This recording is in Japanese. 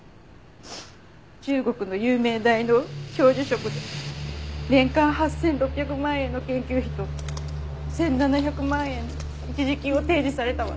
中国の有名大の教授職で年間８６００万円の研究費と１７００万円の一時金を提示されたわ。